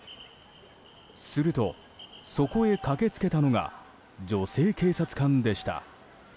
すると、そこへ駆けつけたのが女性警察官でした。